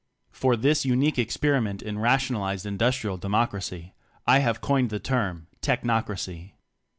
For this unique experiment in ra tionalized Industrial Democracy I have coined the term ''Technocracy."